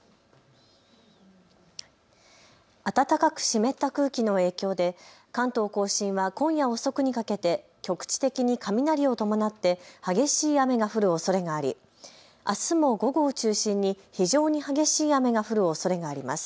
暖かく湿った空気の影響で関東甲信は今夜遅くにかけて局地的に雷を伴って激しい雨が降るおそれがあり、あすも午後を中心に非常に激しい雨が降るおそれがあります。